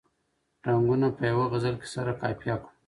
رنګونه په یوه غزل کې سره قافیه کړو.